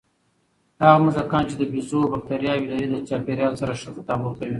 هغه موږکان چې د بیزو بکتریاوې لري، د چاپېریال سره ښه تطابق کوي.